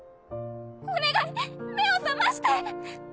お願い目を覚まして！